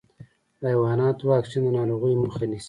د حیواناتو واکسین د ناروغیو مخه نيسي.